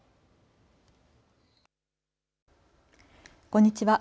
こんにちは。